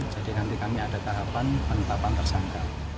jadi nanti kami ada tahapan penetapan tersangka